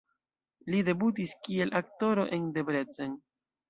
Li debutis kiel aktoro en Debrecen.